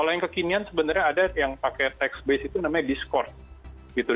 yang kekinian sebenarnya ada yang pakai teks base itu namanya discord gitu